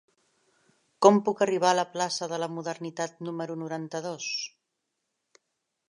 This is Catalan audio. Com puc arribar a la plaça de la Modernitat número noranta-dos?